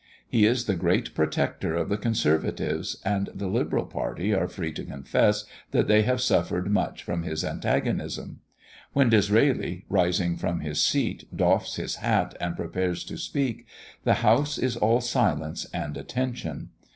He is the great Protector of the Conservatives; and the Liberal party are free to confess, that they have suffered much from his antagonism. When Disraeli, rising from his seat, doffs his hat, and prepares to speak, the House is all silence and attention.